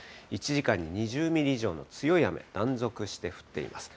１時間に２０ミリ以上の強い雨、断続して降っています。